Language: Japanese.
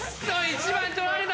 １番取られた。